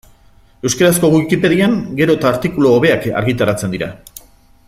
Euskarazko Wikipedian gero eta artikulu hobeak argitaratzen dira.